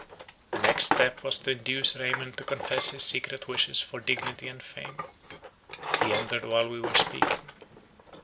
The next step was to induce Raymond to confess his secret wishes for dignity and fame. He entered while we were speaking.